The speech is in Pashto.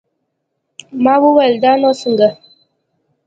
ما وويل دا نو څنگه.